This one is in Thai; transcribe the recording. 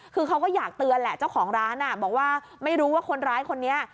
คือเขาก็อยากเตือนแหละเจ้าของร้านบอกว่าไม่รู้ว่าคนร้ายคนนี้